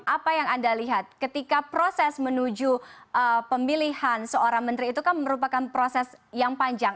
apa yang anda lihat ketika proses menuju pemilihan seorang menteri itu kan merupakan proses yang panjang